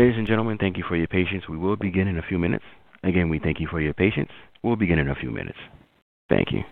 Ladies and gentlemen, thank you for your patience. We will begin in a few minutes. Again, we thank you for your patience. We'll begin in a few minutes. Thank you.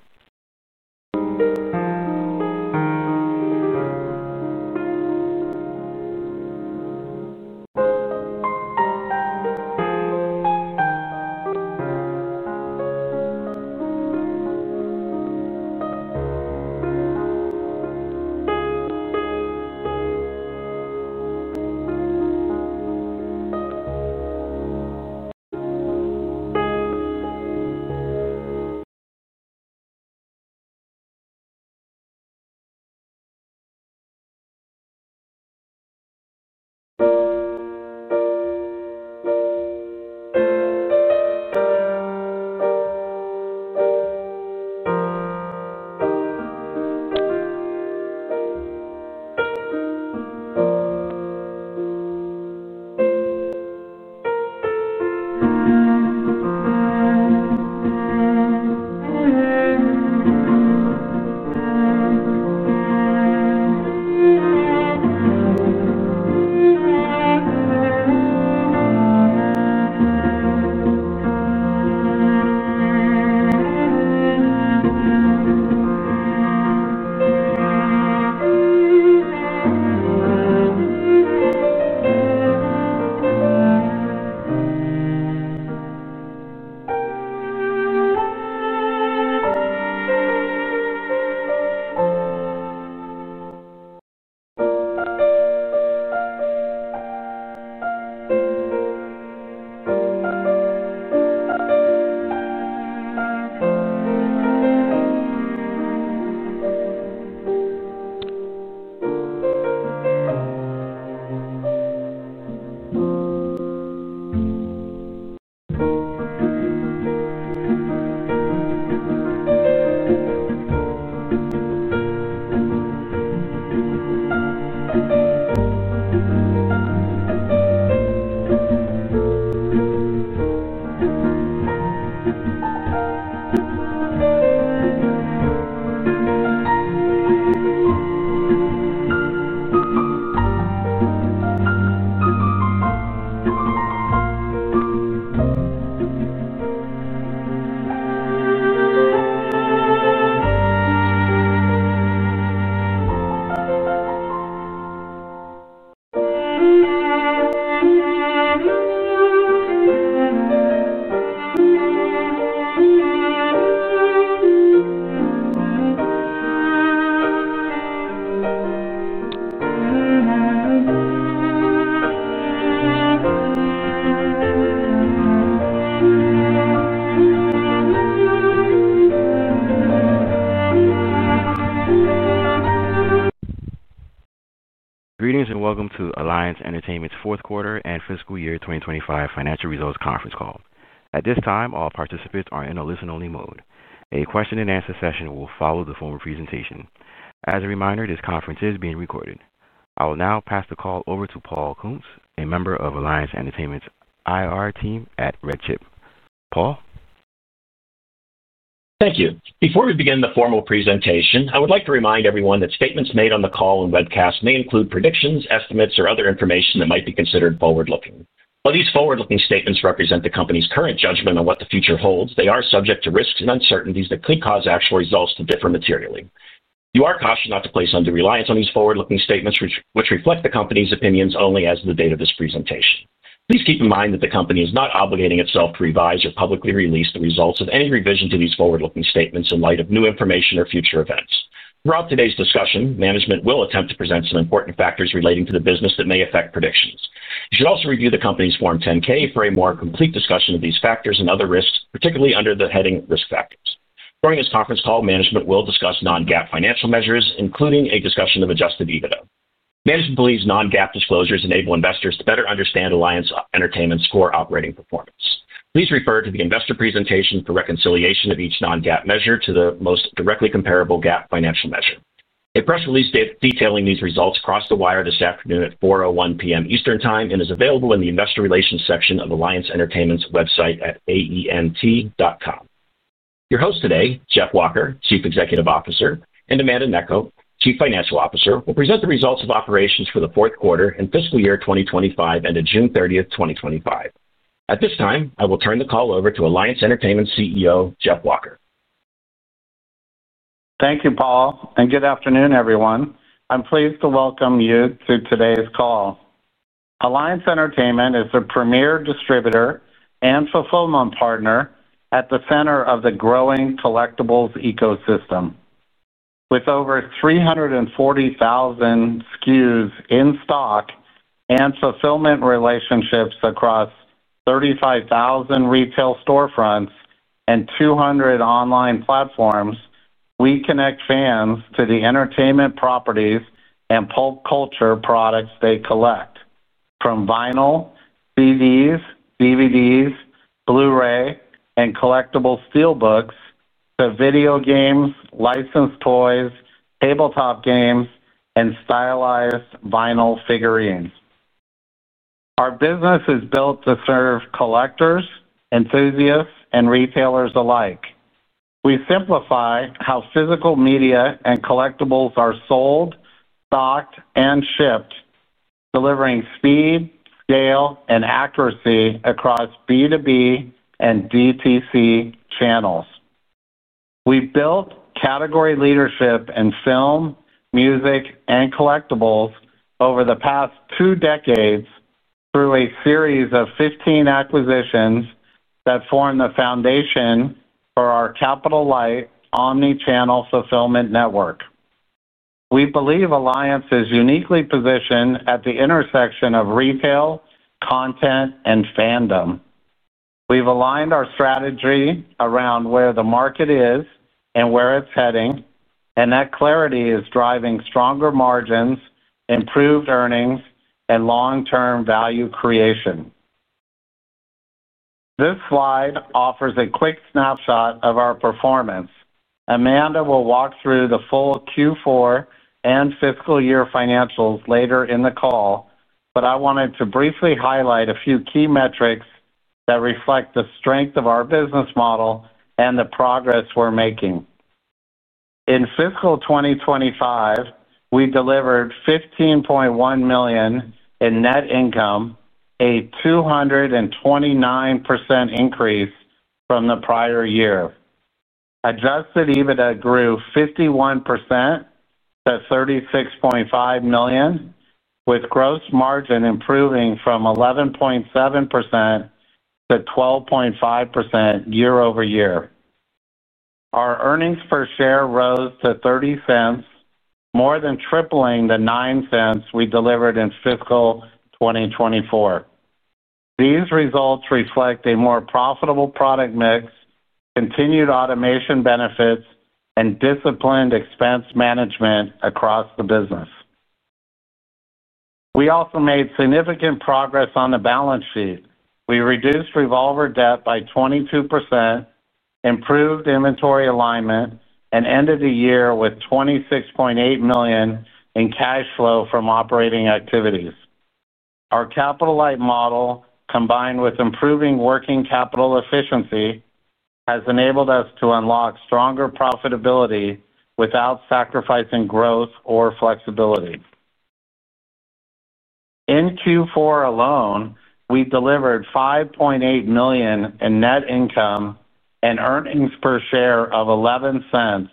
Greetings and welcome to Alliance Entertainment's fourth quarter and fiscal year 2025 financial results conference call. At this time, all participants are in a listen-only mode. A question and answer session will follow the formal presentation. As a reminder, this conference is being recorded. I will now pass the call over to Paul Kuntz, a member of Alliance Entertainment's IR team at Red Chip. Paul? Thank you. Before we begin the formal presentation, I would like to remind everyone that statements made on the call and webcast may include predictions, estimates, or other information that might be considered forward-looking. While these forward-looking statements represent the company's current judgment on what the future holds, they are subject to risks and uncertainties that could cause actual results to differ materially. You are cautioned not to place undue reliance on these forward-looking statements, which reflect the company's opinions only as of the date of this presentation. Please keep in mind that the company is not obligating itself to revise or publicly release the results of any revision to these forward-looking statements in light of new information or future events. Throughout today's discussion, management will attempt to present some important factors relating to the business that may affect predictions. You should also review the company's Form 10-K for a more complete discussion of these factors and other risks, particularly under the heading Risk Factors. During this conference call, management will discuss non-GAAP financial measures, including a discussion of adjusted EBITDA. Management believes non-GAAP disclosures enable investors to better understand Alliance Entertainment's core operating performance. Please refer to the investor presentation for reconciliation of each non-GAAP measure to the most directly comparable GAAP financial measure. A press release detailing these results crossed the wire this afternoon at 4:01 P.M. Eastern Time and is available in the investor relations section of Alliance Entertainment's website at aemt.com. Your host today, Jeff Walker, Chief Executive Officer, and Amanda Gnecco, Chief Financial Officer, will present the results of operations for the fourth quarter and fiscal year 2025 ended June 30, 2025. At this time, I will turn the call over to Alliance Entertainment's CEO, Jeff Walker. Thank you, Paul, and good afternoon, everyone. I'm pleased to welcome you to today's call. Alliance Entertainment is a premier distributor and fulfillment partner at the center of the growing collectibles ecosystem. With over 340,000 SKUs in stock and fulfillment relationships across 35,000 retail storefronts and 200 online platforms, we connect fans to the entertainment properties and pop culture products they collect, from vinyl, CDs, DVDs, Blu-rays, and collectible steel books to video games, licensed toys, tabletop games, and stylized vinyl figurines. Our business is built to serve collectors, enthusiasts, and retailers alike. We simplify how physical media and collectibles are sold, stocked, and shipped, delivering speed, scale, and accuracy across B2B and DTC channels. We've built category leadership in film, music, and collectibles over the past two decades through a series of 15 acquisitions that form the foundation for our Capital Light omnichannel fulfillment network. We believe Alliance is uniquely positioned at the intersection of retail, content, and fandom. We've aligned our strategy around where the market is and where it's heading, and that clarity is driving stronger margins, improved earnings, and long-term value creation. This slide offers a quick snapshot of our performance. Amanda will walk through the full Q4 and fiscal year financials later in the call, but I wanted to briefly highlight a few key metrics that reflect the strength of our business model and the progress we're making. In fiscal 2025, we delivered $15.1 million in net income, a 229% increase from the prior year. Adjusted EBITDA grew 51% to $36.5 million, with gross margin improving from 11.7% to 12.5% year-over-year. Our earnings per share rose to $0.30, more than tripling the $0.09 we delivered in fiscal 2024. These results reflect a more profitable product mix, continued automation benefits, and disciplined expense management across the business. We also made significant progress on the balance sheet. We reduced revolver debt by 22%, improved inventory alignment, and ended the year with $26.8 million in cash flow from operating activities. Our Capital Light model, combined with improving working capital efficiency, has enabled us to unlock stronger profitability without sacrificing growth or flexibility. In Q4 alone, we delivered $5.8 million in net income and earnings per share of $0.11,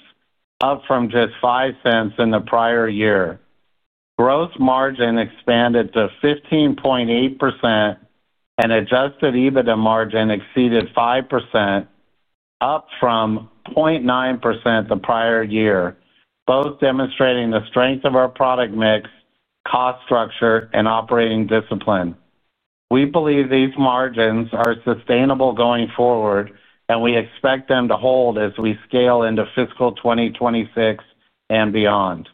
up from just $0.05 in the prior year. Gross margin expanded to 15.8% and adjusted EBITDA margin exceeded 5%, up from 0.9% the prior year, both demonstrating the strength of our product mix, cost structure, and operating discipline. We believe these margins are sustainable going forward, and we expect them to hold as we scale into fiscal 2026 and beyond.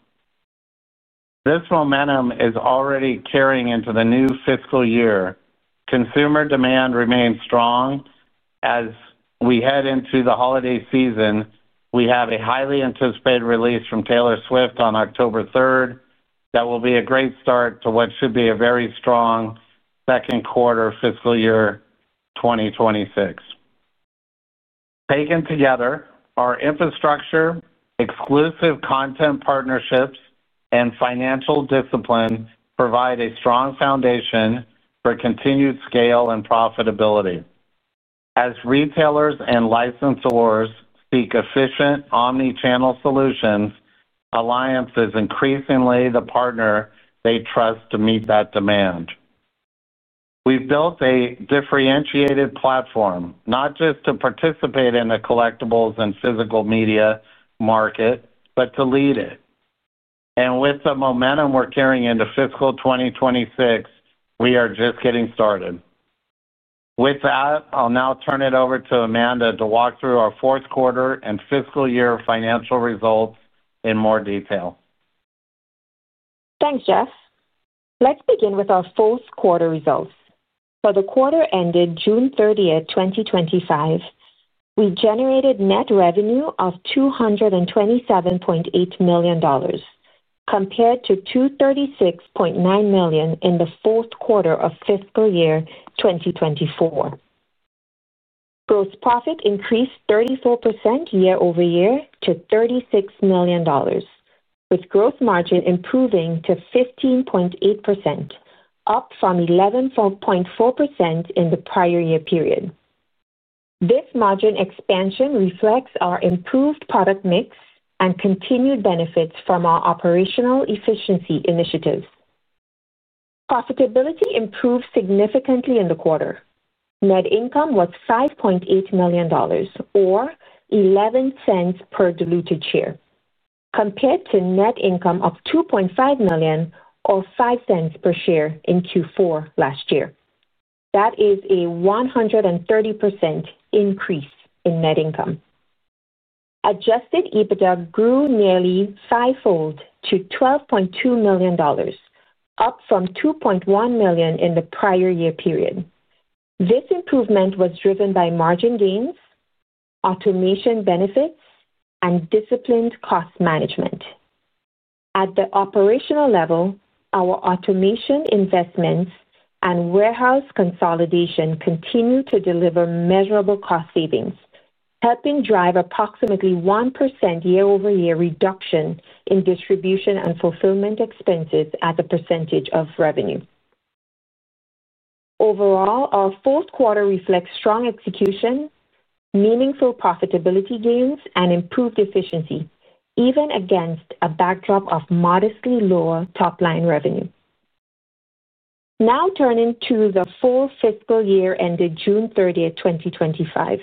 This momentum is already carrying into the new fiscal year. Consumer demand remains strong. As we head into the holiday season, we have a highly anticipated release from Taylor Swift on October 3. That will be a great start to what should be a very strong second quarter fiscal year 2026. Taken together, our infrastructure, exclusive content partnerships, and financial discipline provide a strong foundation for continued scale and profitability. As retailers and licensors seek efficient omnichannel solutions, Alliance Entertainment is increasingly the partner they trust to meet that demand. We've built a differentiated platform, not just to participate in the collectibles and physical media market, but to lead it. With the momentum we're carrying into fiscal 2026, we are just getting started. With that, I'll now turn it over to Amanda Gnecco to walk through our fourth quarter and fiscal year financial results in more detail. Thanks, Jeff. Let's begin with our fourth quarter results. For the quarter ended June 30, 2025, we generated net revenue of $227.8 million, compared to $236.9 million in the fourth quarter of fiscal year 2024. Gross profit increased 34% year-over-year to $36 million, with gross margin improving to 15.8%, up from 11.4% in the prior year period. This margin expansion reflects our improved product mix and continued benefits from our operational efficiency initiatives. Profitability improved significantly in the quarter. Net income was $5.8 million, or $0.11 per diluted share, compared to net income of $2.5 million, or $0.05 per share in Q4 last year. That is a 130% increase in net income. Adjusted EBITDA grew nearly fivefold to $12.2 million, up from $2.1 million in the prior year period. This improvement was driven by margin gains, automation benefits, and disciplined cost management. At the operational level, our automation investments and warehouse consolidation continue to deliver measurable cost savings, helping drive approximately 1% year-over-year reduction in distribution and fulfillment expenses as a percentage of revenue. Overall, our fourth quarter reflects strong execution, meaningful profitability gains, and improved efficiency, even against a backdrop of modestly lower top-line revenue. Now turning to the full fiscal year ended June 30, 2025,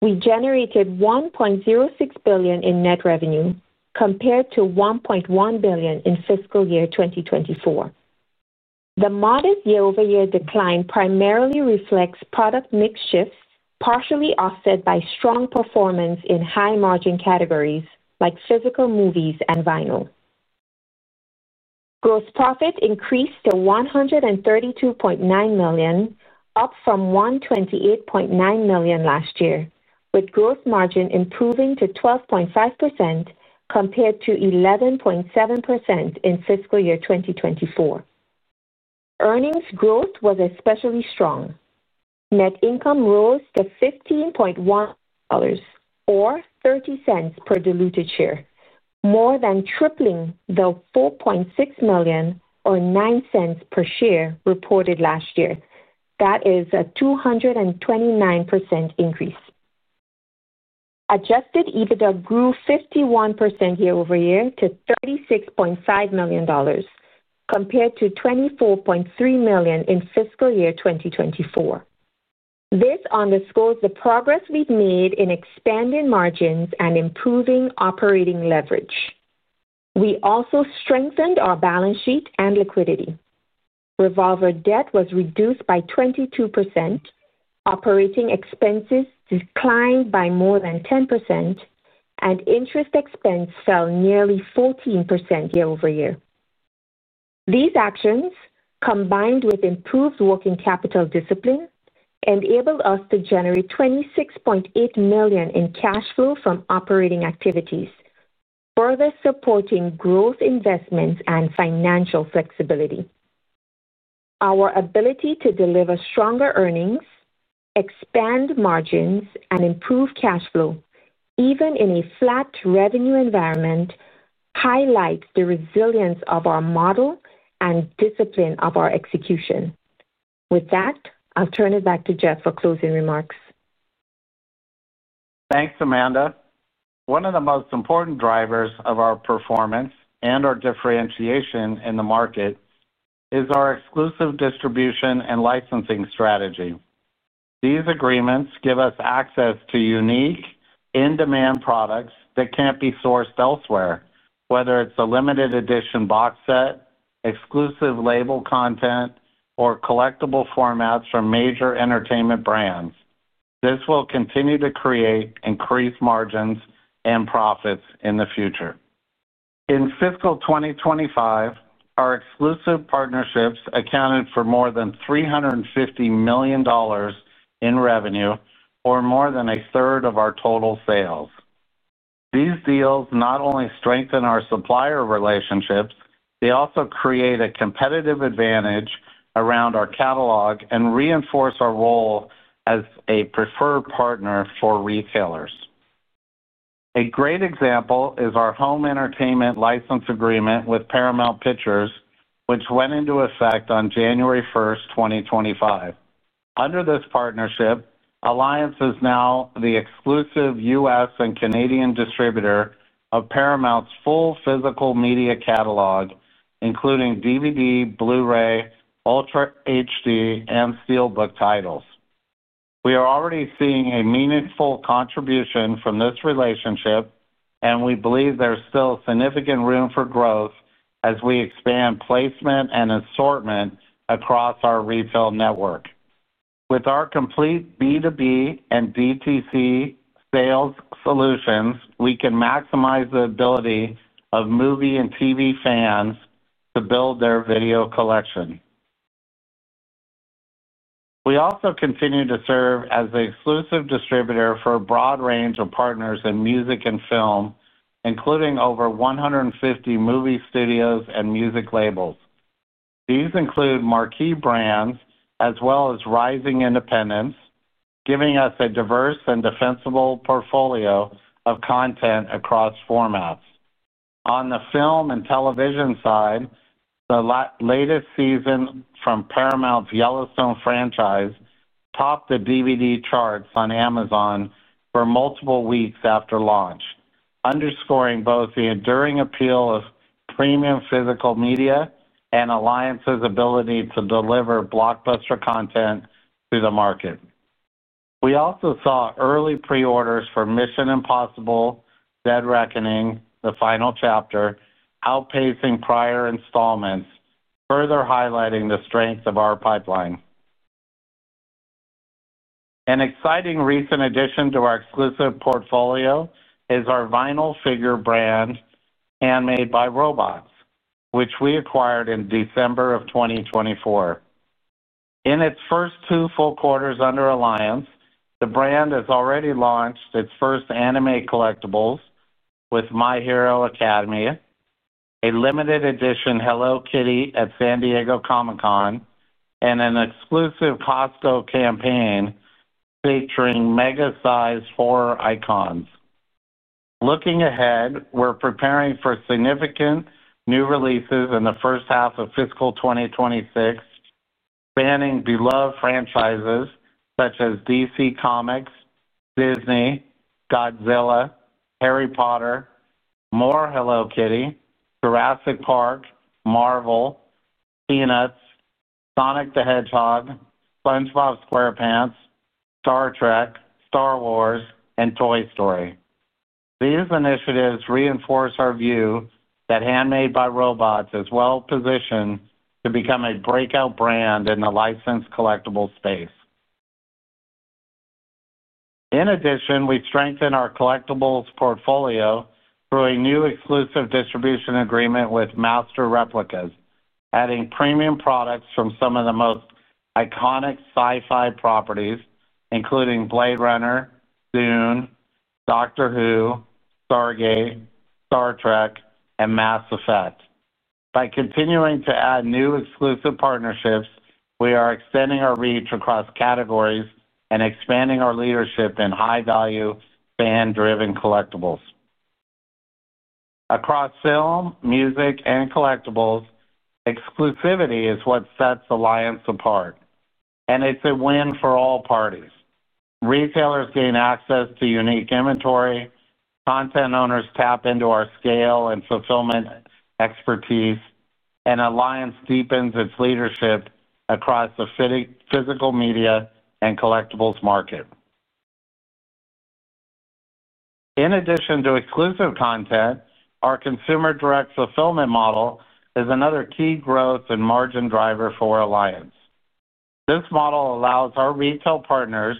we generated $1.06 billion in net revenue, compared to $1.1 billion in fiscal year 2024. The modest year-over-year decline primarily reflects product mix shifts partially offset by strong performance in high-margin categories like physical movies and vinyl. Gross profit increased to $132.9 million, up from $128.9 million last year, with gross margin improving to 12.5% compared to 11.7% in fiscal year 2024. Earnings growth was especially strong. Net income rose to $15.1 million or $0.30 per diluted share, more than tripling the $4.6 million or $0.09 per share reported last year. That is a 229% increase. Adjusted EBITDA grew 51% year-over-year to $36.5 million, compared to $24.3 million in fiscal year 2024. This underscores the progress we've made in expanding margins and improving operating leverage. We also strengthened our balance sheet and liquidity. Revolver debt was reduced by 22%, operating expenses declined by more than 10%, and interest expense fell nearly 14% year-over-year. These actions, combined with improved working capital discipline, enabled us to generate $26.8 million in cash flow from operating activities, further supporting growth investments and financial flexibility. Our ability to deliver stronger earnings, expand margins, and improve cash flow, even in a flat revenue environment, highlights the resilience of our model and discipline of our execution. With that, I'll turn it back to Jeff for closing remarks. Thanks, Amanda. One of the most important drivers of our performance and our differentiation in the market is our exclusive distribution and licensing strategy. These agreements give us access to unique, in-demand products that can't be sourced elsewhere, whether it's a limited edition box set, exclusive label content, or collectible formats from major entertainment brands. This will continue to create increased margins and profits in the future. In fiscal 2025, our exclusive partnerships accounted for more than $350 million in revenue, or more than a third of our total sales. These deals not only strengthen our supplier relationships, they also create a competitive advantage around our catalog and reinforce our role as a preferred partner for retailers. A great example is our home entertainment license agreement with Paramount Pictures, which went into effect on January 1, 2025. Under this partnership, Alliance Entertainment is now the exclusive U.S. and Canadian distributor of Paramount Pictures' full physical media catalog, including DVD, Blu-ray, Ultra HD, and steelbook titles. We are already seeing a meaningful contribution from this relationship, and we believe there's still significant room for growth as we expand placement and assortment across our retail network. With our complete B2B and DTC sales solutions, we can maximize the ability of movie and TV fans to build their video collection. We also continue to serve as the exclusive distributor for a broad range of partners in music and film, including over 150 movie studios and music labels. These include marquee brands as well as rising independents, giving us a diverse and defensible portfolio of content across formats. On the film and television side, the latest season from Paramount Pictures' Yellowstone franchise topped the DVD charts on Amazon for multiple weeks after launch, underscoring both the enduring appeal of premium physical media and Alliance Entertainment's ability to deliver blockbuster content to the market. We also saw early pre-orders for Mission: Impossible - Dead Reckoning - The Final Chapter outpacing prior installments, further highlighting the strength of our pipeline. An exciting recent addition to our exclusive portfolio is our vinyl figure brand, Handmade by Robots, which we acquired in December of 2024. In its first two full quarters under Alliance Entertainment, the brand has already launched its first anime collectibles with My Hero Academia, a limited edition Hello Kitty at San Diego Comic-Con, and an exclusive Costco campaign featuring mega-sized horror icons. Looking ahead, we're preparing for significant new releases in the first half of fiscal 2026, spanning beloved franchises such as DC Comics, Disney, Godzilla, Harry Potter, more Hello Kitty, Jurassic Park, Marvel, Peanuts, Sonic the Hedgehog, SpongeBob SquarePants, Star Trek, Star Wars, and Toy Story. These initiatives reinforce our view that Handmade by Robots is well-positioned to become a breakout brand in the licensed collectibles space. In addition, we strengthen our collectibles portfolio through a new exclusive distribution agreement with Master Replicas, adding premium products from some of the most iconic sci-fi properties, including Blade Runner, Dune, Doctor Who, Stargate, Star Trek, and Mass Effect. By continuing to add new exclusive partnerships, we are extending our reach across categories and expanding our leadership in high-value, fan-driven collectibles. Across film, music, and collectibles, exclusivity is what sets Alliance Entertainment apart, and it's a win for all parties. Retailers gain access to unique inventory, content owners tap into our scale and fulfillment expertise, and Alliance Entertainment deepens its leadership across the physical media and collectibles market. In addition to exclusive content, our direct-to-consumer fulfillment model is another key growth and margin driver for Alliance Entertainment. This model allows our retail partners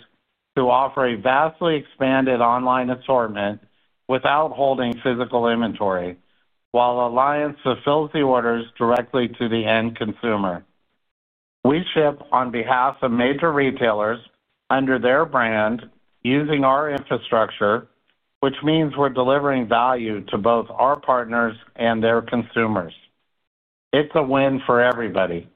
to offer a vastly expanded online assortment without holding physical inventory, while Alliance Entertainment fulfills the orders directly to the end consumer. We ship on behalf of major retailers under their brand, using our infrastructure, which means we're delivering value to both our partners and their consumers. It's a win for everybody.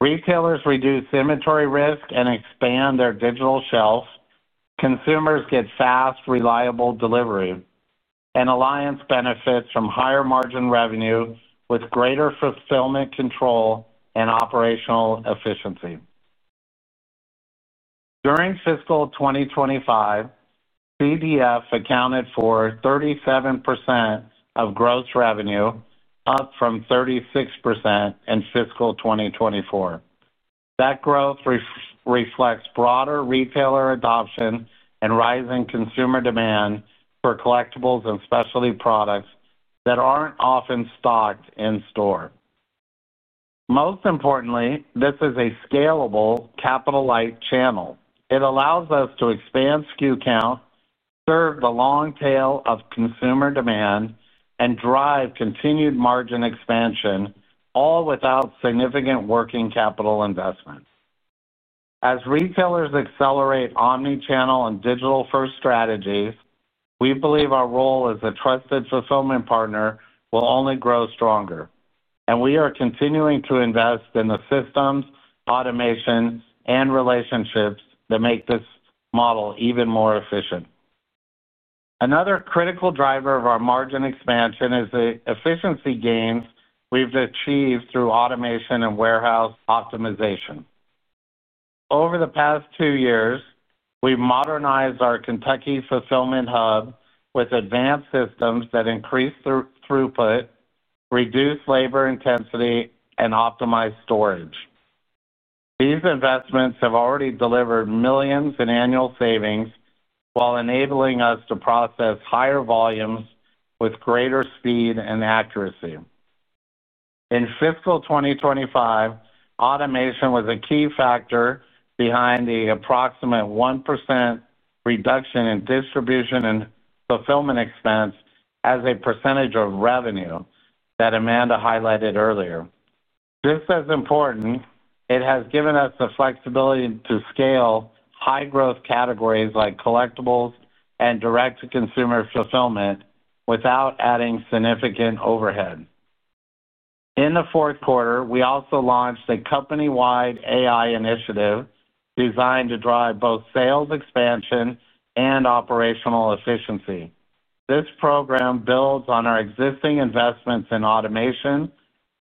Retailers reduce inventory risk and expand their digital shelves. Consumers get fast, reliable delivery, and Alliance Entertainment benefits from higher margin revenue with greater fulfillment control and operational efficiency. During fiscal 2025, direct-to-consumer fulfillment accounted for 37% of gross revenue, up from 36% in fiscal 2024. That growth reflects broader retailer adoption and rising consumer demand for collectibles and specialty products that aren't often stocked in store. Most importantly, this is a scalable Capital Light channel. It allows us to expand SKU count, serve the long tail of consumer demand, and drive continued margin expansion, all without significant working capital investments. As retailers accelerate omnichannel and digital-first strategies, we believe our role as a trusted fulfillment partner will only grow stronger, and we are continuing to invest in the systems, automation, and relationships that make this model even more efficient. Another critical driver of our margin expansion is the efficiency gains we've achieved through automation and warehouse optimization. Over the past two years, we've modernized our Kentucky fulfillment hub with advanced systems that increase throughput, reduce labor intensity, and optimize storage. These investments have already delivered millions in annual savings, while enabling us to process higher volumes with greater speed and accuracy. In fiscal 2025, automation was a key factor behind the approximate 1% reduction in distribution and fulfillment expense as a percentage of revenue that Amanda Gnecco highlighted earlier. Just as important, it has given us the flexibility to scale high-growth categories like collectibles and direct-to-consumer fulfillment without adding significant overhead. In the fourth quarter, we also launched a company-wide AI initiative designed to drive both sales expansion and operational efficiency. This program builds on our existing investments in automation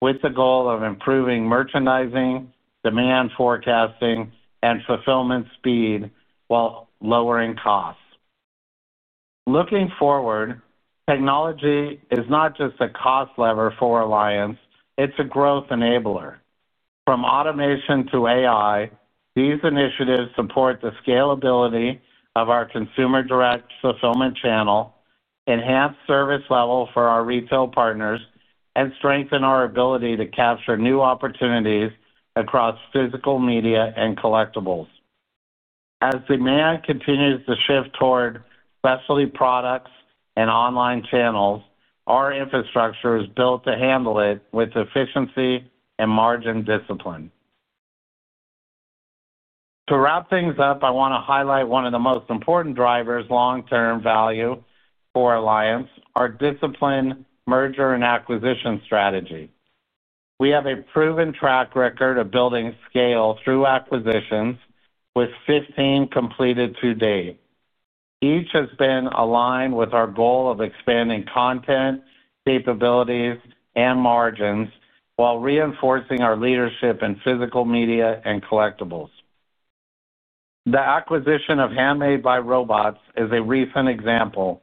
with the goal of improving merchandising, demand forecasting, and fulfillment speed while lowering costs. Looking forward, technology is not just a cost lever for Alliance Entertainment; it's a growth enabler. From automation to AI, these initiatives support the scalability of our consumer-direct fulfillment channel, enhance service level for our retail partners, and strengthen our ability to capture new opportunities across physical media and collectibles. As demand continues to shift toward specialty products and online channels, our infrastructure is built to handle it with efficiency and margin discipline. To wrap things up, I want to highlight one of the most important drivers of long-term value for Alliance Entertainment: our disciplined M&A strategy. We have a proven track record of building scale through acquisitions, with 15 completed to date. Each has been aligned with our goal of expanding content, capabilities, and margins while reinforcing our leadership in physical media and collectibles. The acquisition of Handmade by Robots is a recent example.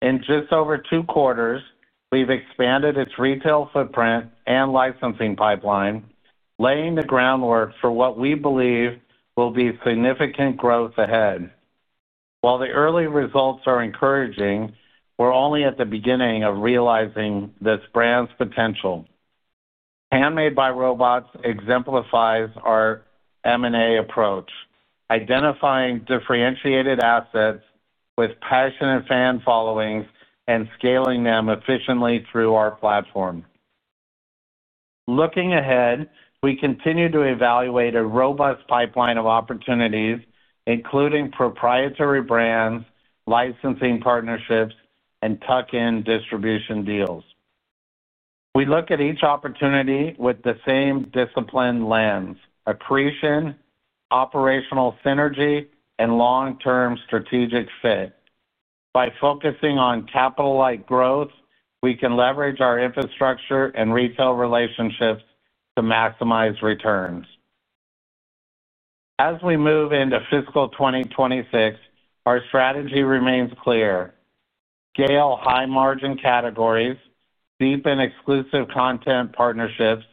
In just over two quarters, we've expanded its retail footprint and licensing pipeline, laying the groundwork for what we believe will be significant growth ahead. While the early results are encouraging, we're only at the beginning of realizing this brand's potential. Handmade by Robots exemplifies our M&A approach, identifying differentiated assets with passionate fan followings and scaling them efficiently through our platform. Looking ahead, we continue to evaluate a robust pipeline of opportunities, including proprietary brands, licensing partnerships, and tuck-in distribution deals. We look at each opportunity with the same disciplined lens: accretion, operational synergy, and long-term strategic fit. By focusing on Capital Light growth, we can leverage our infrastructure and retail relationships to maximize returns. As we move into fiscal 2026, our strategy remains clear: scale high-margin categories, deepen exclusive content partnerships,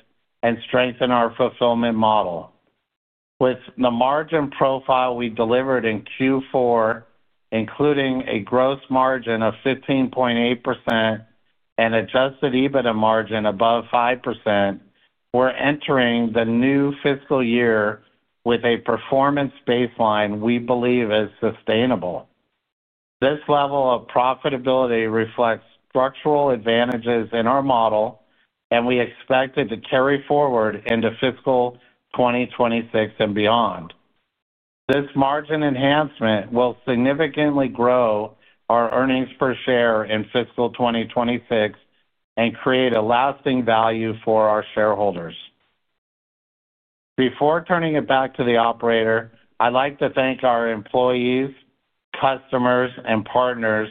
and strengthen our fulfillment model. With the margin profile we delivered in Q4, including a gross margin of 15.8% and adjusted EBITDA margin above 5%, we're entering the new fiscal year with a performance baseline we believe is sustainable. This level of profitability reflects structural advantages in our model, and we expect it to carry forward into fiscal 2026 and beyond. This margin enhancement will significantly grow our earnings per share in fiscal 2026 and create a lasting value for our shareholders. Before turning it back to the operator, I'd like to thank our employees, customers, and partners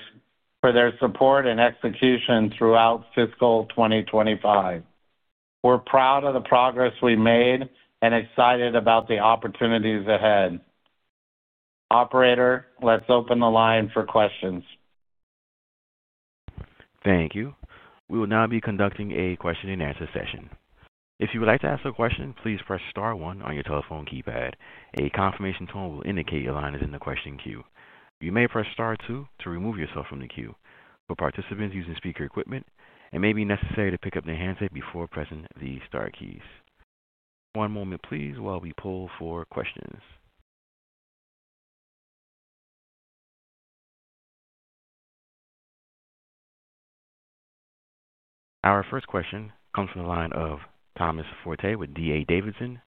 for their support and execution throughout fiscal 2025. We're proud of the progress we made and excited about the opportunities ahead. Operator, let's open the line for questions. Thank you. We will now be conducting a question and answer session. If you would like to ask a question, please press star one on your telephone keypad. A confirmation tone will indicate your line is in the question queue. You may press star two to remove yourself from the queue. For participants using speaker equipment, it may be necessary to pick up the handset before pressing the star keys. One moment, please, while we pull for questions. Our first question comes from the line of Thomas Forte with DA Davidson.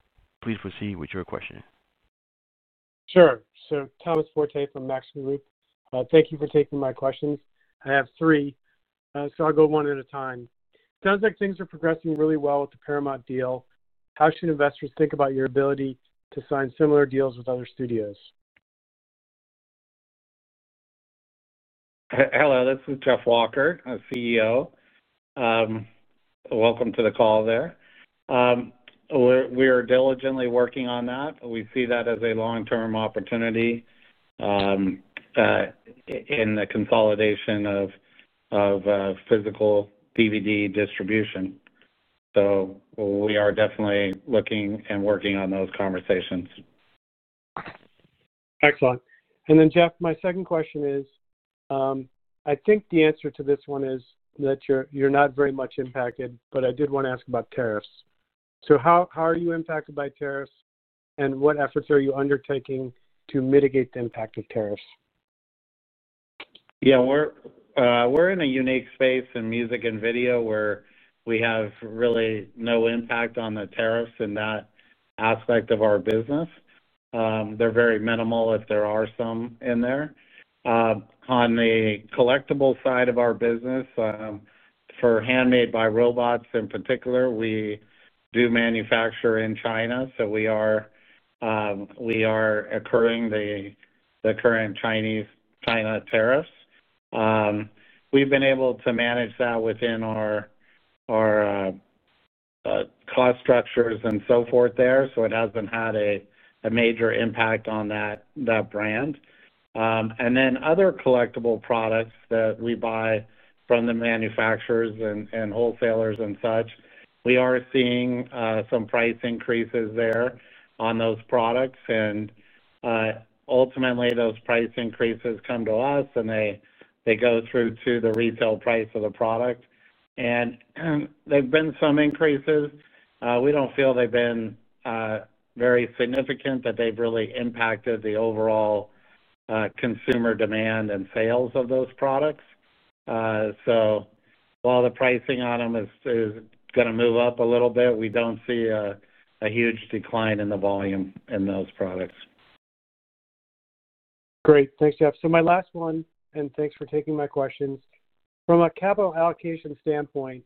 Please proceed with your question. Sure, sir. Thomas Forte from MaxiLeap. Thank you for taking my questions. I have three, so I'll go one at a time. It sounds like things are progressing really well with the Paramount deal. How should investors think about your ability to sign similar deals with other studios? Hello, this is Jeff Walker, CEO. Welcome to the call. We're diligently working on that. We see that as a long-term opportunity in the consolidation of physical DVD distribution. We are definitely looking and working on those conversations. Excellent. Jeff, my second question is, I think the answer to this one is that you're not very much impacted, but I did want to ask about tariffs. How are you impacted by tariffs, and what efforts are you undertaking to mitigate the impact of tariffs? Yeah, we're in a unique space in music and video where we have really no impact on the tariffs in that aspect of our business. They're very minimal if there are some in there. On the collectible side of our business, for Handmade by Robots in particular, we do manufacture in China, so we are incurring the current China tariffs. We've been able to manage that within our cost structures and so forth there, so it hasn't had a major impact on that brand. Other collectible products that we buy from the manufacturers and wholesalers and such, we are seeing some price increases there on those products. Ultimately, those price increases come to us, and they go through to the retail price of the product. There have been some increases. We don't feel they've been very significant, that they've really impacted the overall consumer demand and sales of those products. While the pricing on them is going to move up a little bit, we don't see a huge decline in the volume in those products. Great. Thanks, Jeff. My last one, and thanks for taking my questions. From a capital allocation standpoint,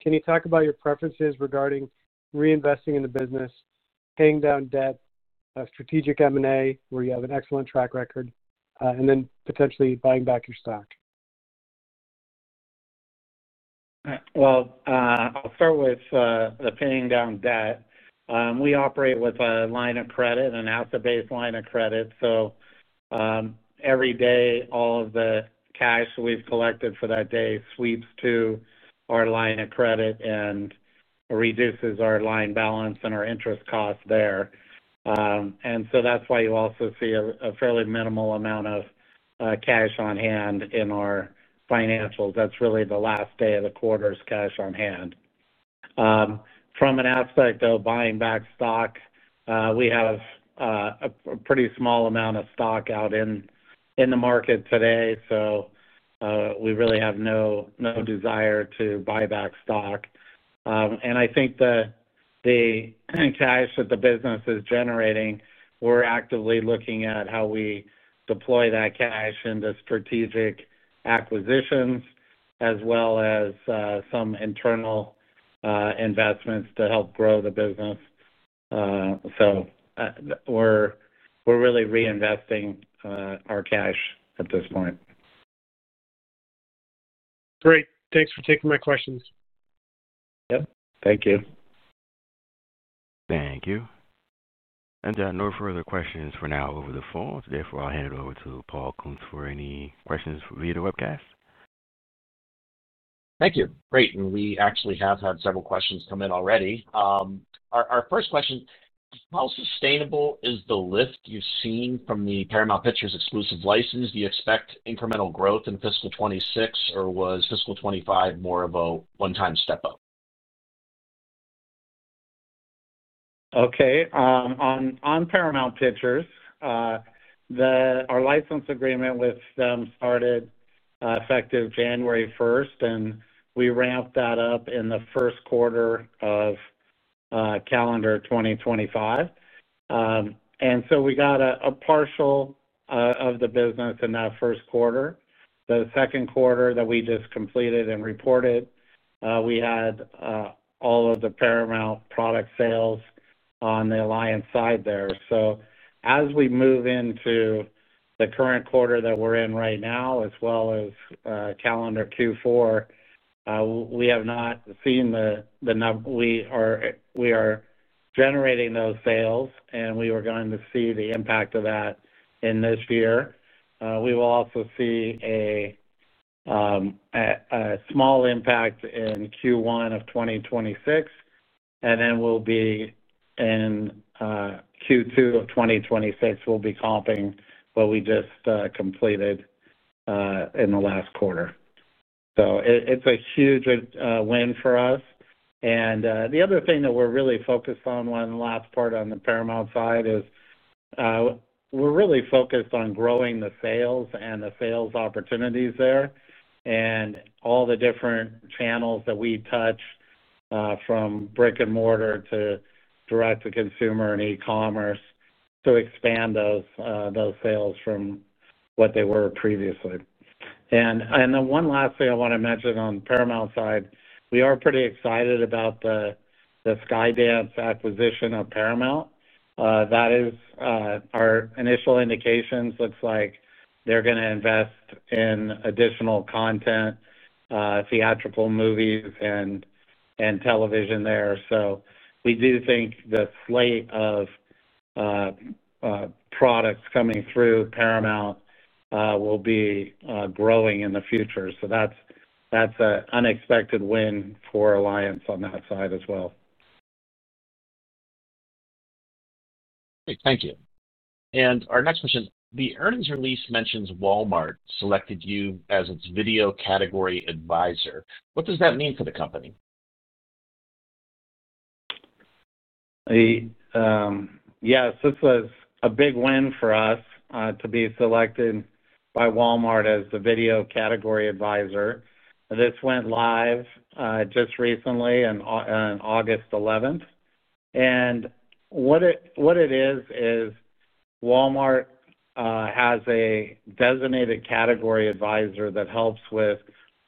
can you talk about your preferences regarding reinvesting in the business, paying down debt, strategic M&A, where you have an excellent track record, and then potentially buying back your stock? I'll start with the paying down debt. We operate with a line of credit, an alpha-based line of credit. Every day, all of the cash we've collected for that day sweeps to our line of credit and reduces our line balance and our interest costs there. That's why you also see a fairly minimal amount of cash on hand in our financials. That's really the last day of the quarter's cash on hand. From an aspect of buying back stock, we have a pretty small amount of stock out in the market today, so we really have no desire to buy back stock. I think the cash that the business is generating, we're actively looking at how we deploy that cash into strategic acquisitions as well as some internal investments to help grow the business. We're really reinvesting our cash at this point. Great. Thanks for taking my questions. Thank you. Thank you. There are no further questions for now over the phone. Therefore, I'll hand it over to Paul Kuntz for any questions via the webcast. Thank you. Great. We actually have had several questions come in already. Our first question: how sustainable is the lift you've seen from the Paramount Pictures exclusive license? Do you expect incremental growth in fiscal 2026, or was fiscal 2025 more of a one-time step-up? Okay. On Paramount Pictures, our license agreement with them started effective January 1, and we ramped that up in the first quarter of calendar 2025. We got a partial of the business in that first quarter. The second quarter that we just completed and reported, we had all of the Paramount product sales on the Alliance side there. As we move into the current quarter that we're in right now, as well as calendar Q4, we have not seen the number. We are generating those sales, and we were going to see the impact of that in this year. We will also see a small impact in Q1 of 2026, and then in Q2 of 2026, we'll be comping what we just completed in the last quarter. It's a huge win for us. The other thing that we're really focused on, one last part on the Paramount side, is we're really focused on growing the sales and the sales opportunities there and all the different channels that we touch, from brick and mortar to direct-to-consumer and e-commerce, to expand those sales from what they were previously. One last thing I want to mention on the Paramount side, we are pretty excited about the Skydance acquisition of Paramount. That is our initial indications. It looks like they're going to invest in additional content, theatrical movies, and television there. We do think the slate of products coming through Paramount will be growing in the future. That's an unexpected win for Alliance on that side as well. Great. Thank you. Our next question: the earnings release mentions Walmart selected you as its video category advisor. What does that mean for the company? Yes, this was a big win for us to be selected by Walmart as the video category advisor. This went live just recently on August 11th. What it is, is Walmart has a designated category advisor that helps with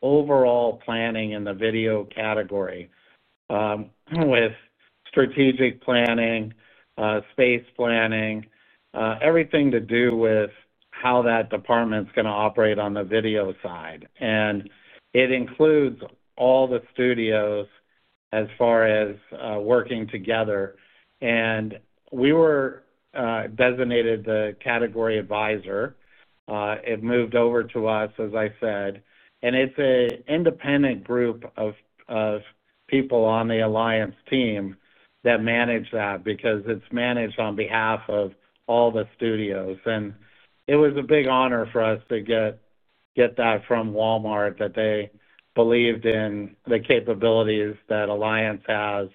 overall planning in the video category, with strategic planning, space planning, everything to do with how that department's going to operate on the video side. It includes all the studios as far as working together. We were designated the category advisor. It moved over to us, as I said. It's an independent group of people on the Alliance team that manage that because it's managed on behalf of all the studios. It was a big honor for us to get that from Walmart, that they believed in the capabilities that Alliance has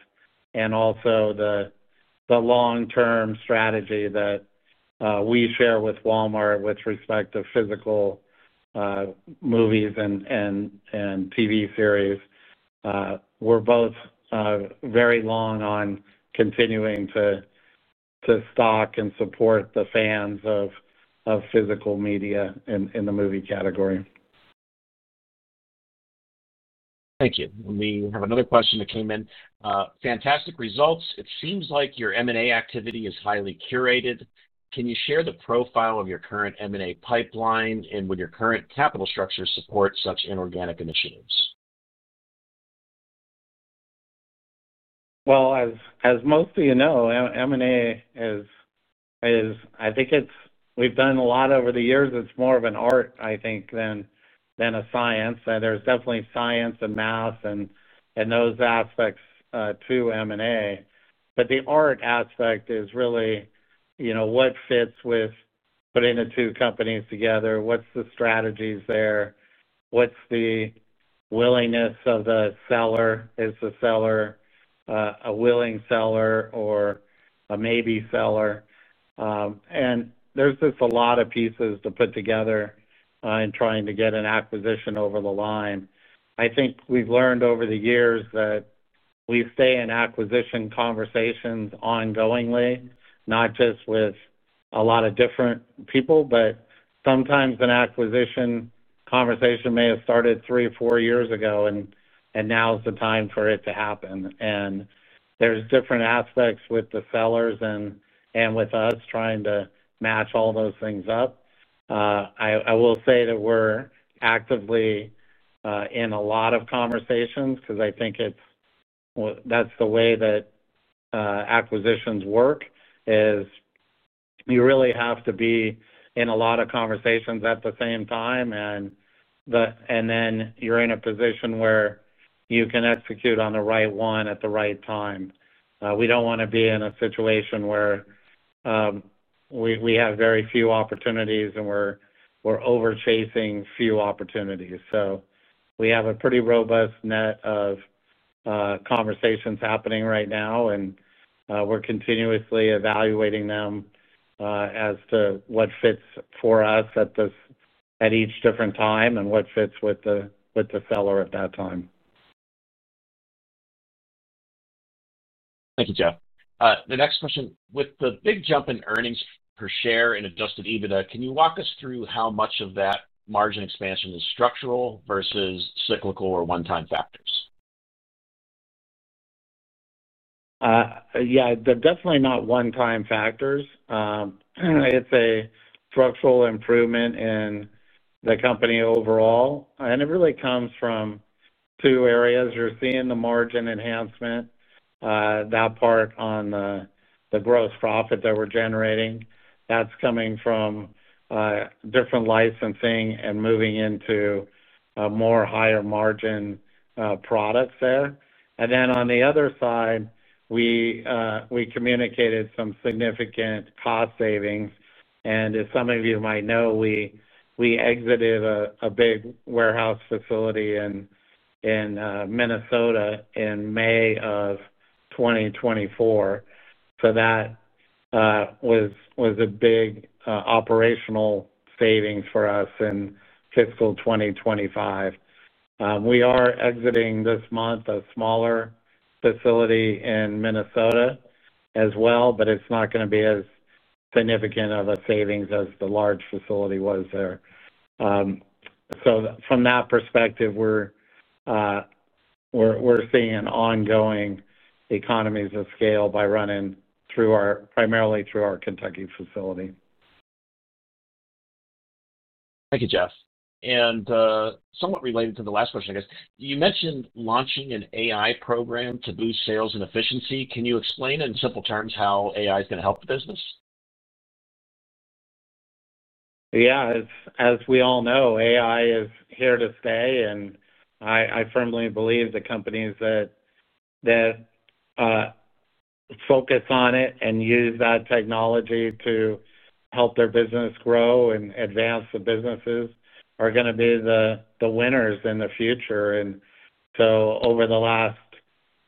and also the long-term strategy that we share with Walmart with respect to physical movies and TV series. We're both very long on continuing to stock and support the fans of physical media in the movie category. Thank you. We have another question that came in. Fantastic results. It seems like your M&A activity is highly curated. Can you share the profile of your current M&A pipeline and what your current capital structure supports such inorganic initiatives? As most of you know, M&A is, I think it's we've done a lot over the years. It's more of an art, I think, than a science. There's definitely science and math and those aspects to M&A. The art aspect is really, you know, what fits with putting the two companies together? What's the strategies there? What's the willingness of the seller? Is the seller a willing seller or a maybe seller? There's just a lot of pieces to put together in trying to get an acquisition over the line. I think we've learned over the years that we stay in acquisition conversations ongoingly, not just with a lot of different people, but sometimes an acquisition conversation may have started three or four years ago, and now is the time for it to happen. There's different aspects with the sellers and with us trying to match all those things up. I will say that we're actively in a lot of conversations because I think that's the way that acquisitions work, is you really have to be in a lot of conversations at the same time, and then you're in a position where you can execute on the right one at the right time. We don't want to be in a situation where we have very few opportunities and we're overchasing few opportunities. We have a pretty robust net of conversations happening right now, and we're continuously evaluating them as to what fits for us at each different time and what fits with the seller at that time. Thank you, Jeff. The next question: with the big jump in earnings per share and adjusted EBITDA, can you walk us through how much of that margin expansion is structural versus cyclical or one-time factors? Yeah, they're definitely not one-time factors. It's a structural improvement in the company overall, and it really comes from two areas. You're seeing the margin enhancement, that part on the gross profit that we're generating. That's coming from different licensing and moving into more higher margin products there. On the other side, we communicated some significant cost savings. As some of you might know, we exited a big warehouse facility in Minnesota in May of 2024. That was a big operational savings for us in fiscal 2025. We are exiting this month a smaller facility in Minnesota as well, but it's not going to be as significant of a savings as the large facility was there. From that perspective, we're seeing ongoing economies of scale by running primarily through our Kentucky facility. Thank you, Jeff. Somewhat related to the last question, I guess, you mentioned launching an AI program to boost sales and efficiency. Can you explain in simple terms how AI is going to help the business? Yeah, as we all know, AI is here to stay, and I firmly believe the companies that focus on it and use that technology to help their business grow and advance the businesses are going to be the winners in the future. Over the last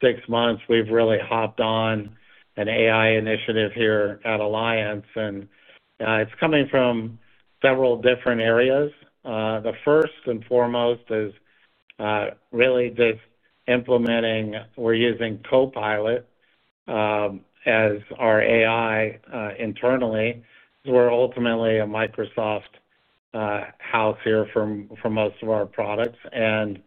six months, we've really hopped on an AI initiative here at Alliance Entertainment, and it's coming from several different areas. The first and foremost is really just implementing, we're using Copilot as our AI internally. We're ultimately a Microsoft house here for most of our products, and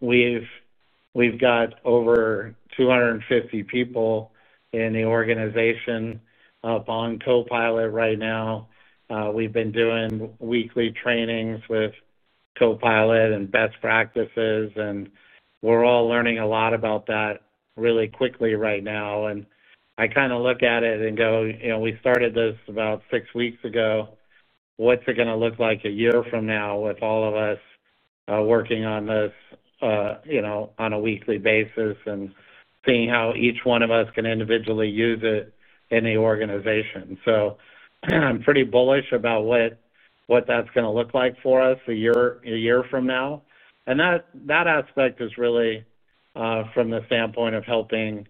we've got over 250 people in the organization on Copilot right now. We've been doing weekly trainings with Copilot and best practices, and we're all learning a lot about that really quickly right now. I kind of look at it and go, you know, we started this about six weeks ago. What's it going to look like a year from now with all of us working on this on a weekly basis and seeing how each one of us can individually use it in the organization? I'm pretty bullish about what that's going to look like for us a year from now. That aspect is really from the standpoint of helping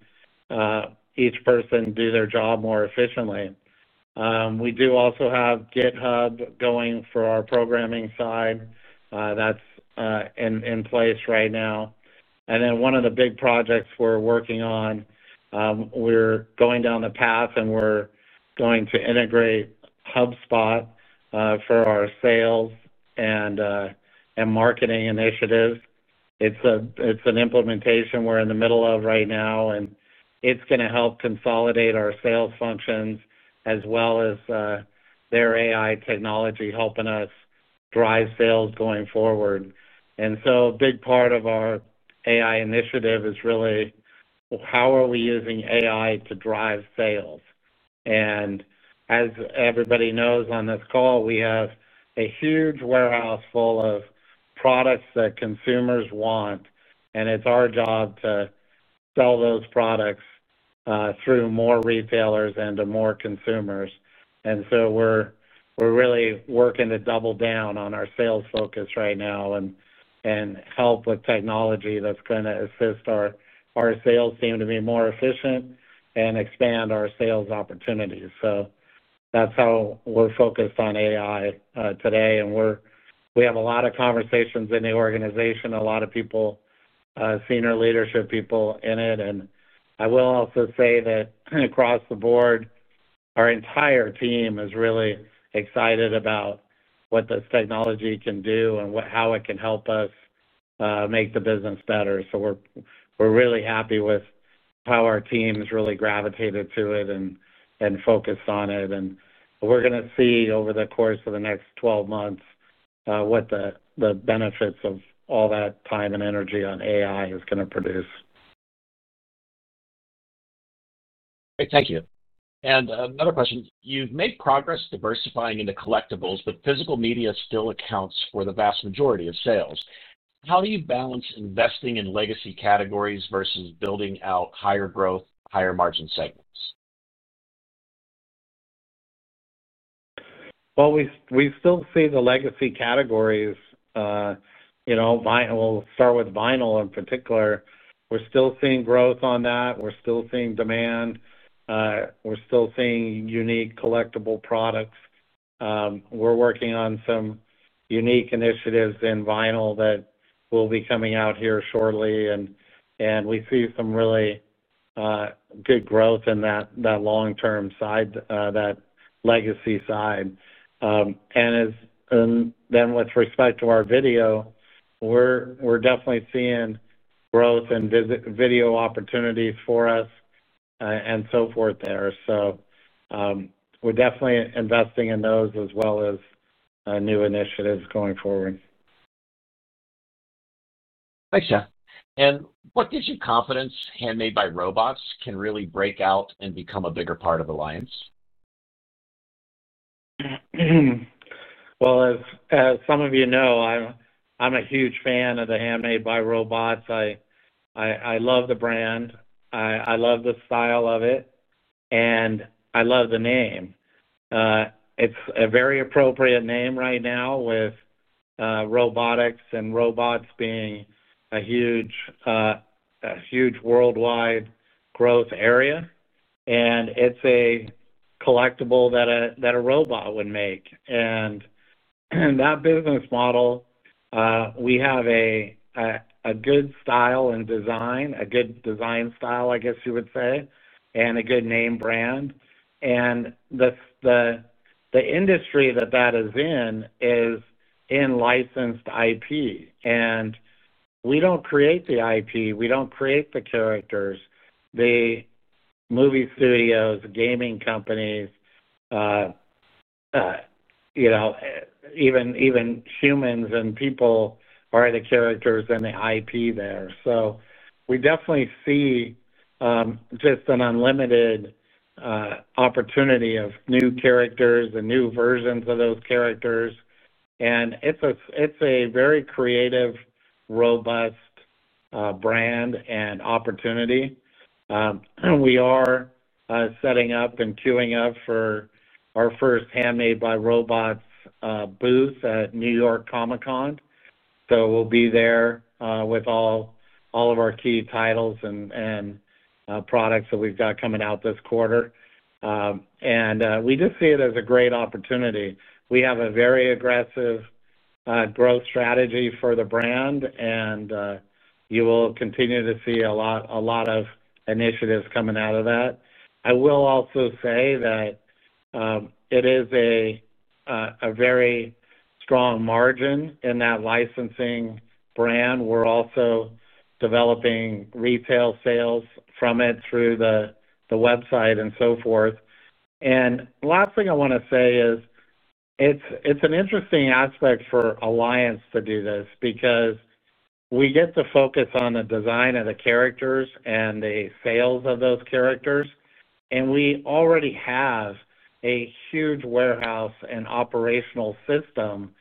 each person do their job more efficiently. We do also have GitHub going for our programming side. That's in place right now. One of the big projects we're working on, we're going down the path and we're going to integrate HubSpot for our sales and marketing initiative. It's an implementation we're in the middle of right now, and it's going to help consolidate our sales functions as well as their AI technology helping us drive sales going forward. A big part of our AI initiative is really, well, how are we using AI to drive sales? As everybody knows on this call, we have a huge warehouse full of products that consumers want, and it's our job to sell those products through more retailers and to more consumers. We're really working to double down on our sales focus right now and help with technology that's going to assist our sales team to be more efficient and expand our sales opportunities. That's how we're focused on AI today. We have a lot of conversations in the organization, a lot of people, senior leadership people in it. I will also say that across the board, our entire team is really excited about what this technology can do and how it can help us make the business better. We're really happy with how our teams really gravitated to it and focused on it. We're going to see over the course of the next 12 months what the benefits of all that time and energy on AI is going to produce. Great. Thank you. Another question: you've made progress diversifying into collectibles, but physical media still accounts for the vast majority of sales. How do you balance investing in legacy categories versus building out higher growth, higher margin segments? We still see the legacy categories. We'll start with vinyl in particular. We're still seeing growth on that, we're still seeing demand, and we're still seeing unique collectible products. We're working on some unique initiatives in vinyl that will be coming out here shortly. We see some really good growth in that long-term side, that legacy side. With respect to our video, we're definitely seeing growth in video opportunities for us and so forth there. We're definitely investing in those as well as new initiatives going forward. Thanks, Jeff. What gives you confidence Handmade by Robots can really break out and become a bigger part of Alliance? As some of you know, I'm a huge fan of Handmade by Robots. I love the brand. I love the style of it. I love the name. It's a very appropriate name right now with robotics and robots being a huge worldwide growth area. It's a collectible that a robot would make. That business model, we have a good style and design, a good design style, I guess you would say, and a good name brand. The industry that that is in is licensed IP. We don't create the IP. We don't create the characters. The movie studios, gaming companies, even humans and people are the characters and the IP there. We definitely see just an unlimited opportunity of new characters and new versions of those characters. It's a very creative, robust brand and opportunity. We are setting up and queuing up for our first Handmade by Robots booth at New York Comic-Con. We'll be there with all of our key titles and products that we've got coming out this quarter. We just see it as a great opportunity. We have a very aggressive growth strategy for the brand, and you will continue to see a lot of initiatives coming out of that. I will also say that it is a very strong margin in that licensing brand. We're also developing retail sales from it through the website and so forth. The last thing I want to say is it's an interesting aspect for Alliance Entertainment to do this because we get to focus on the design of the characters and the sales of those characters. We already have a huge warehouse and operational system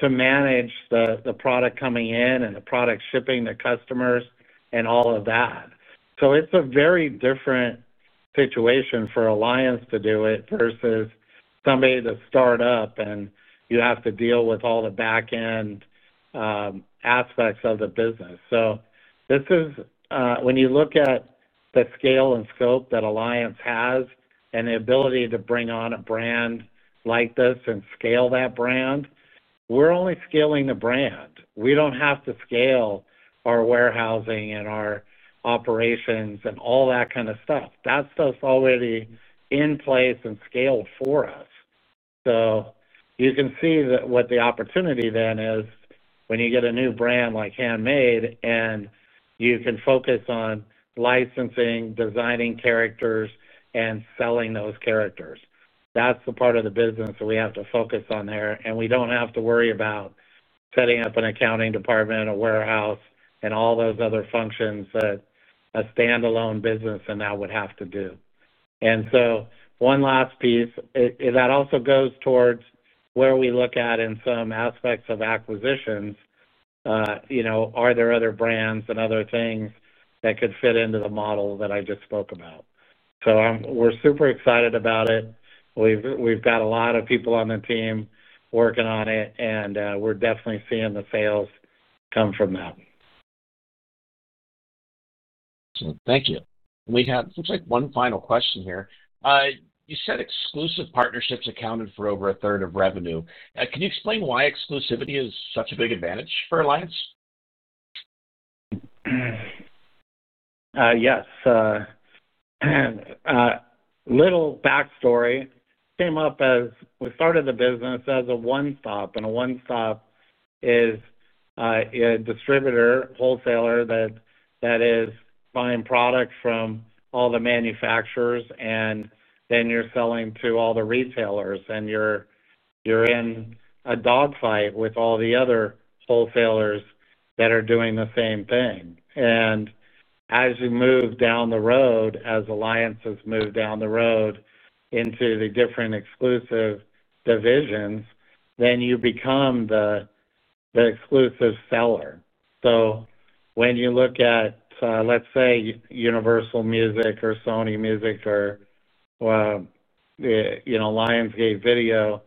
to manage the product coming in and the product shipping to customers and all of that. It's a very different situation for Alliance Entertainment to do it versus somebody to start up and you have to deal with all the backend aspects of the business. This is when you look at the scale and scope that Alliance Entertainment has and the ability to bring on a brand like this and scale that brand, we're only scaling the brand. We don't have to scale our warehousing and our operations and all that kind of stuff. That stuff's already in place and scaled for us. You can see that what the opportunity then is when you get a new brand like Handmade and you can focus on licensing, designing characters, and selling those characters. That's the part of the business that we have to focus on there. We don't have to worry about setting up an accounting department, a warehouse, and all those other functions that a standalone business would have to do. One last piece that also goes towards where we look at in some aspects of acquisitions, you know, are there other brands and other things that could fit into the model that I just spoke about? We're super excited about it. We've got a lot of people on the team working on it, and we're definitely seeing the sales come from that. Excellent. Thank you. We have, it seems like, one final question here. You said exclusive partnerships accounted for over a third of revenue. Can you explain why exclusivity is such a big advantage for Alliance Entertainment? Yes. A little backstory came up as we started the business as a one-stop. A one-stop is a distributor, wholesaler that is buying products from all the manufacturers, and then you're selling to all the retailers, and you're in a dogfight with all the other wholesalers that are doing the same thing. As you move down the road, as Alliance has moved down the road into the different exclusive divisions, you become the exclusive seller. When you look at, let's say, Universal Music or Sony Music or Lionsgate Video,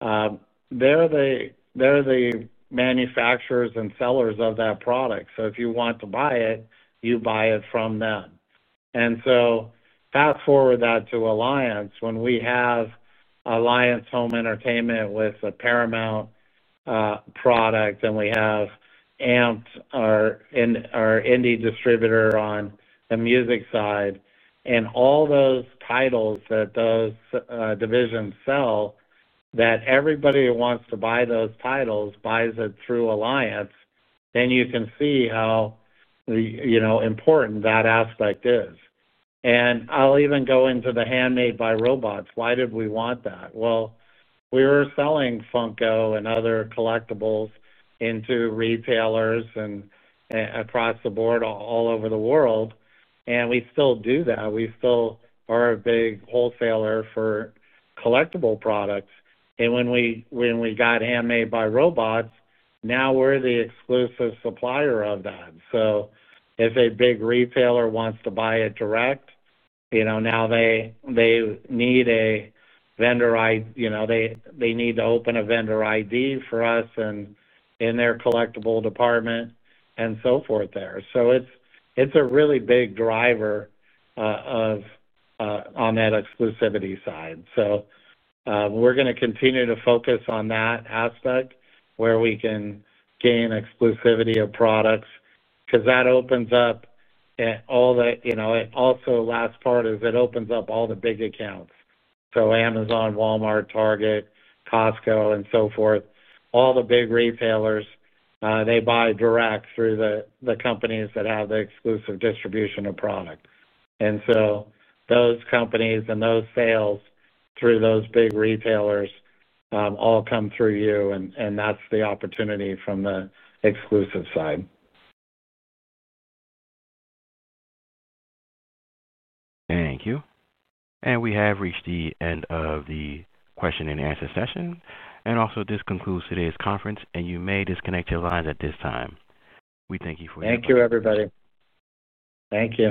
they're the manufacturers and sellers of that product. If you want to buy it, you buy it from them. Fast forward that to Alliance. When we have Alliance Home Entertainment with a Paramount product, and we have AMPED, our indie distributor on the music side, and all those titles that those divisions sell that everybody who wants to buy those titles buys it through Alliance, you can see how important that aspect is. I'll even go into the Handmade by Robots. Why did we want that? We were selling Funko and other collectibles into retailers and across the board all over the world, and we still do that. We still are a big wholesaler for collectible products. When we got Handmade by Robots, now we're the exclusive supplier of that. If a big retailer wants to buy it direct, now they need a vendor ID, they need to open a vendor ID for us in their collectible department and so forth there. It's a really big driver on that exclusivity side. We're going to continue to focus on that aspect where we can gain exclusivity of products because that opens up all the, you know, also the last part is it opens up all the big accounts. Amazon, Walmart, Target, Costco, and so forth, all the big retailers, they buy direct through the companies that have the exclusive distribution of product. Those companies and those sales through those big retailers all come through you, and that's the opportunity from the exclusive side. Thank you. We have reached the end of the question and answer session. This concludes today's conference, and you may disconnect your lines at this time. We thank you for your time. Thank you, everybody. Thank you.